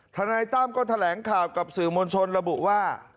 ทนายตั้มก็แถลงข่าวกับสื่อมวลชนระบุว่า